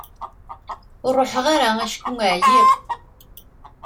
Ur ruḥeɣ ara acku εyiɣ.